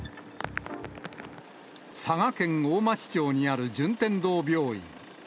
佐賀県大町町にある順天堂病院。